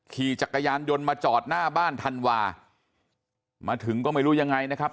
ขี่จักรยานยนต์มาจอดหน้าบ้านธันวามาถึงก็ไม่รู้ยังไงนะครับ